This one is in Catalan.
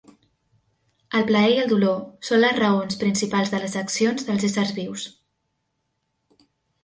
El plaer i el dolor són les raons principals de les accions dels éssers vius.